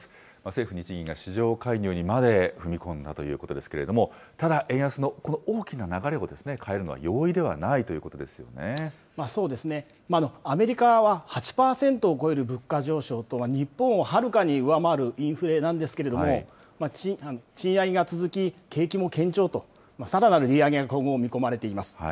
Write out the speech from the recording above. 政府・日銀が市場介入にまで踏み込んだということですけれども、ただ、円安のこの大きな流れを変えるのは容易ではないということそうですね、アメリカは８％を超える物価上昇と、日本をはるかに上回るインフレなんですけれども、賃上げが続き、景気も堅調と、さらなる利上げが今後、見込まれています。